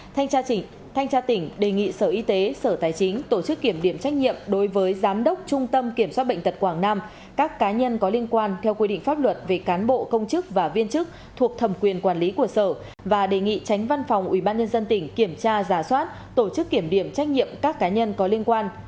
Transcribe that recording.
thanh tra tỉnh đề nghị sở y tế sở tài chính tổ chức kiểm điểm trách nhiệm đối với giám đốc trung tâm kiểm soát bệnh tật quảng nam các cá nhân có liên quan theo quy định pháp luật về cán bộ công chức và viên chức thuộc thẩm quyền quản lý của sở và đề nghị tránh văn phòng ubnd tỉnh kiểm tra giả soát tổ chức kiểm điểm trách nhiệm các cá nhân có liên quan